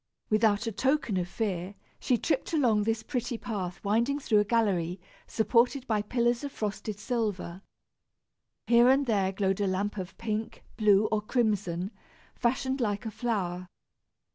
Without a token of fear, she tripped along this pretty path winding through a gallery supported by pillars of frosted silver. Here and there glowed a lamp of pink, blue or crimson, fashioned like a flower.